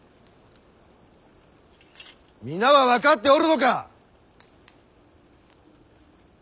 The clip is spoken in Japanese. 皆は分かっておるのか！